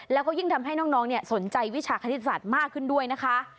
แล้วก็ยิ่งทำให้น้องสนใจวิชาคณิตศาสตร์มากขึ้นด้วยนะคะ